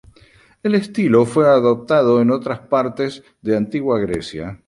El estilo fue adoptado en otras partes de Antigua Grecia.